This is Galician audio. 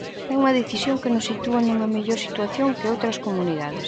É unha decisión que nos sitúa nunha mellor situación que outras comunidades.